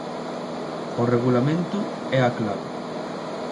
O regulamento é a clave.